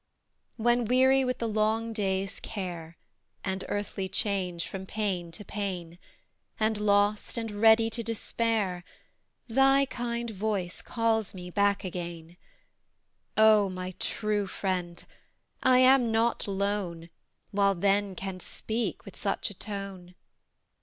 When weary with the long day's care, And earthly change from pain to pain, And lost, and ready to despair, Thy kind voice calls me back again: Oh, my true friend! I am not lone, While then canst speak with such a tone!